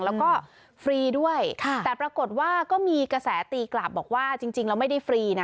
แล้วก็ฟรีด้วยแต่ปรากฏว่าก็มีกระแสตีกลับบอกว่าจริงแล้วไม่ได้ฟรีนะ